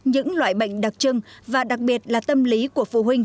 những loại bệnh đặc trưng và đặc biệt là tâm lý của phụ huynh